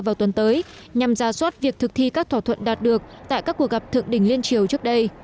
vào tuần tới nhằm ra soát việc thực thi các thỏa thuận đạt được tại các cuộc gặp thượng đỉnh liên triều trước đây